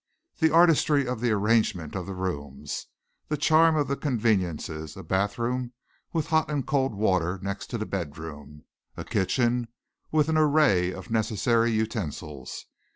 The artistry of the arrangement of the rooms, the charm of the conveniences a bathroom with hot and cold water next to the bedroom; a kitchen with an array of necessary utensils.